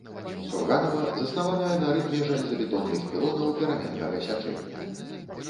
Сурганава, заснаваная на рытме жалезабетонных пілонаў пераменнага сячэння.